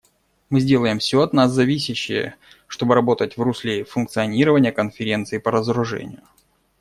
Мы сделаем все от нас зависящее, чтобы работать в русле функционирования Конференции по разоружению.